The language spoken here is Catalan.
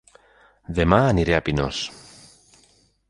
Dema aniré a Pinós